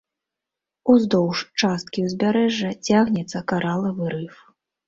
Уздоўж часткі ўзбярэжжа цягнецца каралавы рыф.